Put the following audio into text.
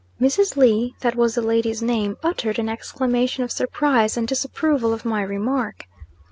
Mrs. Lee that was the lady's name uttered an exclamation of surprise and disapproval of my remark.